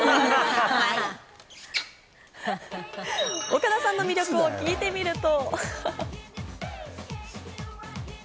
岡田さんの魅力を聞いてみると。